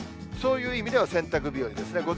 そういう意味では、洗濯日和ですね。